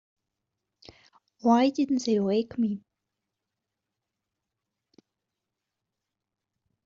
Why didn't they wake me?